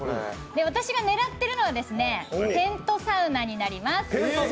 私が狙っているのはテントサウナになります。